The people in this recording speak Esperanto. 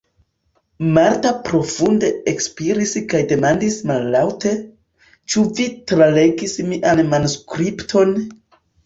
Marta profunde ekspiris kaj demandis mallaŭte: -- Ĉu vi tralegis mian manuskripton?